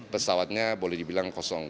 pesawatnya boleh dibilang kosong